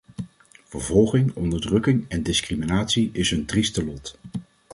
Vervolging, onderdrukking en discriminatie is hun trieste lot.